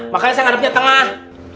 makanya saya ngarepnya tengah